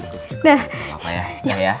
gak apa apa ya udah ya